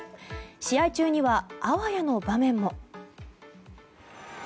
試合中には、あわやの場面も。